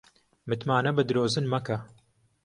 متمانە بە درۆزن مەکە